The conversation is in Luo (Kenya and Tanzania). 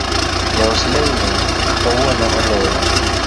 Jaus lewni kawuono oloro